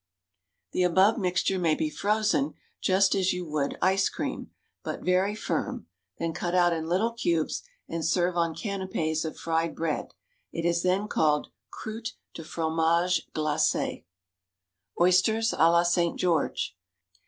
The above mixture may be frozen just as you would ice cream, but very firm, then cut out in little cubes, and serve on canapés of fried bread; it is then called "Croûtes de Fromage Glacé." _Oysters à la St. George.